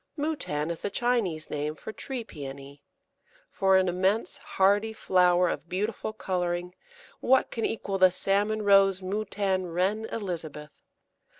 Moutan is the Chinese name for Tree Pæony. For an immense hardy flower of beautiful colouring what can equal the salmon rose Moutan Reine Elizabeth?